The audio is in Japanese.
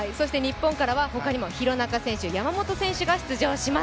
日本からは廣中選手、山本選手も登場します。